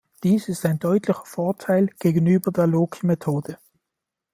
Dies ist ein deutlicher Vorteil gegenüber der Loci-Methode.